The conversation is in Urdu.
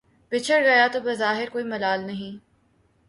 بچھڑ گیا تو بظاہر کوئی ملال نہیں